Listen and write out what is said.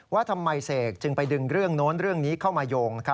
ว่าทำไมเสกจึงไปดึงเรื่องโน้นเรื่องนี้เข้ามาโยง